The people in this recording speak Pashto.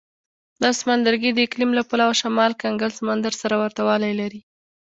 دا سمندرګي د اقلیم له پلوه شمال کنګل سمندر سره ورته والی لري.